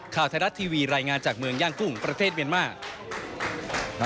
ข่าวไทยรัฐทีวีรายงานจากเมืองย่างกุ้งประเทศเมียนมาร์